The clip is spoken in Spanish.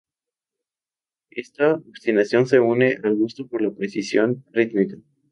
Esta obstinación se une al gusto por la precisión rítmica.